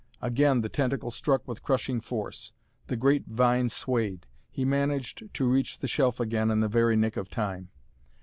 Again the tentacle struck with crushing force. The great vine swayed. He managed to reach the shelf again in the very nick of time.